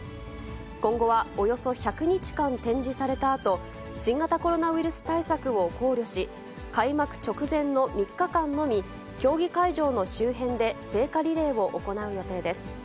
今後はおよそ１００日間展示されたあと、新型コロナウイルス対策を考慮し、開幕直前の３日間のみ、競技会場の周辺で聖火リレーを行う予定です。